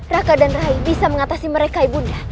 raka dan rai bisa mengatasi mereka ibunda